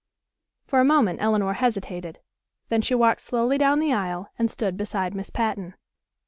For a moment Elinor hesitated. Then she walked slowly down the aisle and stood beside Miss Patten.